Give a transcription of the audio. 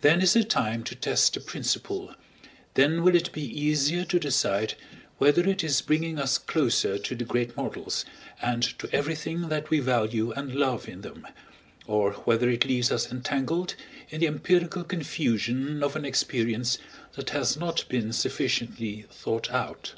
Then is the time to test a principle, then will it he easier to decide whether it is bringing us closer to the great models and to everything that we value and love in them, or whether it leaves us entangled in the empirical confusion of an experience that has not been sufficiently thought out.